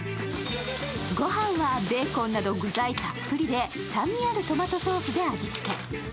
御飯はベーコンなど具材たっぷりで酸味あるトマトソースで味付け。